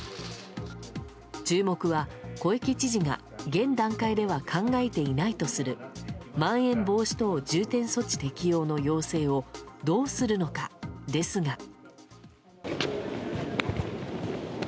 注目は、小池知事が現段階では考えていないとするまん延防止等重点措置適用の要請をどうするのかですが。